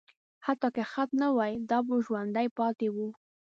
حتی که خط نه وای، دا به ژوندي پاتې وو.